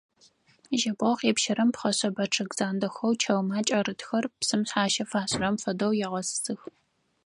Жьыбгъэу къепщэрэм пхъэшъэбэ чъыг зандэхэу чэумэ акӀэрытхэр, псым шъхьащэ фашӀырэм фэдэу, егъэсысых.